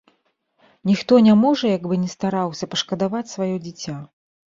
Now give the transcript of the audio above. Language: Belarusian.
Ніхто не можа, як бы ні стараўся, пашкадаваць сваё дзіця.